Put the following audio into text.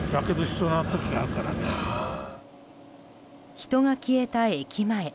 人が消えた駅前。